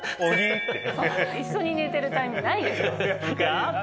一緒に寝てるタイミングないでしょ？